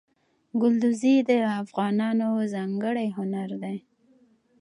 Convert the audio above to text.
ګلدوزي د افغانانو ځانګړی هنر دی.